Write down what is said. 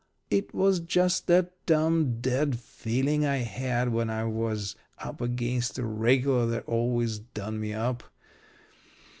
It was just that dumb, dead feeling I had when I was up against a regular that always done me up.